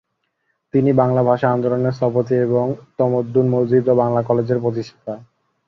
তিনি বাংলা ভাষা আন্দোলনের স্থপতি এবং তমদ্দুন মজলিস ও বাঙলা কলেজের প্রতিষ্ঠাতা।